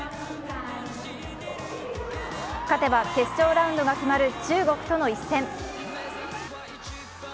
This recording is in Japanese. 勝てば決勝ラウンドが決まる中国との一戦。